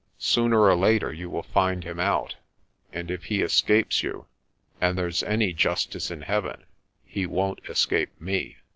Sooner or later you will find him out; and if he escapes you and there's any justice in heaven, he won't escape me."